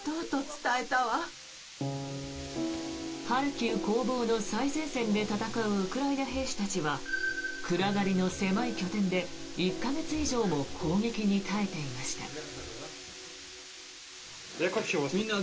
ハルキウ攻防の最前線で戦うウクライナ兵士たちは暗がりの狭い拠点で１か月以上も攻撃に耐えていました。